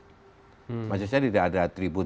hmm dan sama sekali tidak ada atribut